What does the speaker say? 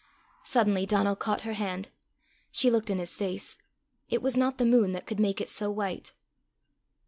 Suddenly Donal caught her hand. She looked in his face. It was not the moon that could make it so white.